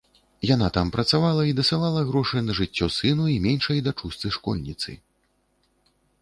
Яна там працавала і дасылала грошы на жыццё сыну і меншай дачушцы-школьніцы.